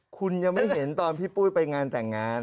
คุณยังไม่เห็นตอนพี่ปุ้ยไปงานแต่งงาน